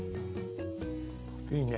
いいね。